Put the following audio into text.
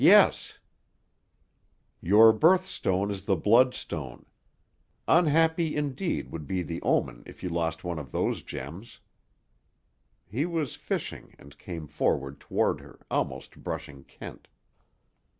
"Yes." "Your birth stone is the bloodstone. Unhappy, indeed, would be the omen if you lost one of those gems." (He was fishing and came forward toward her, almost brushing Kent.)